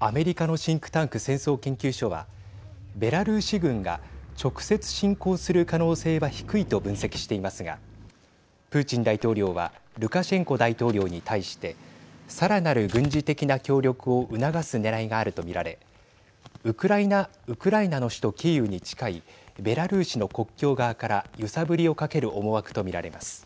アメリカのシンクタンク戦争研究所はベラルーシ軍が直接侵攻する可能性は低いと分析していますがプーチン大統領はルカシェンコ大統領に対してさらなる軍事的な協力を促すねらいがあると見られウクライナの首都キーウに近いベラルーシの国境側から揺さぶりをかける思惑と見られます。